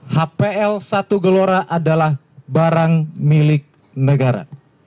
hpl satu gelora adalah barang milik negara